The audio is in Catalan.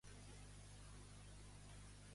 Per què diu Pino que ha volgut declarar?